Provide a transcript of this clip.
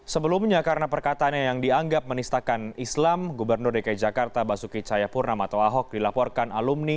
sebelumnya karena perkataannya yang dianggap menistakan islam gubernur dki jakarta basuki cayapurnam atau ahok dilaporkan alumni